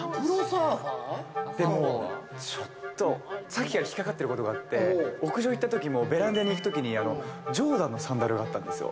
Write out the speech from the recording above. でもちょっと、さっきから引っかかってることがあって、屋上行ったときもベランダに行くときにジョーダンのサンダルがあったんですよ。